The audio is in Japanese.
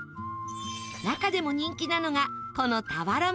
中でも人気なのがこの俵むすび